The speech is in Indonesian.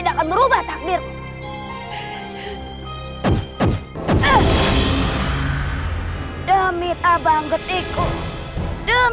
jangan lupa like share dan subscribe ya